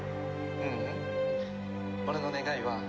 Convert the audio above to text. ううん。俺の願いは。